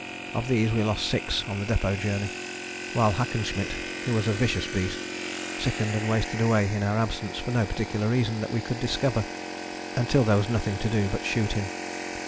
Of these we lost six on the Depôt Journey, while Hackenschmidt, who was a vicious beast, sickened and wasted away in our absence, for no particular reason that we could discover, until there was nothing to do but shoot him.